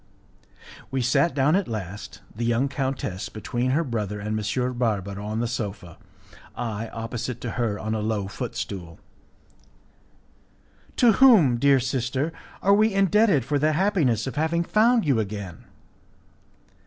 We sat down at last, the young countess between her brother and M. Barbaro, on the sofa, I, opposite to her, on a low foot stool. "To whom, dear sister, are we indebted for the happiness of having found you again?"